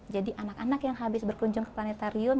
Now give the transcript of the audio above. jadi anak anak yang habis berkunjung ke planetarium